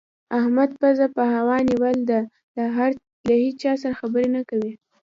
احمد پزه په هوا نيول ده؛ له هيچا سره خبرې نه کوي.